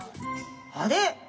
あれ！？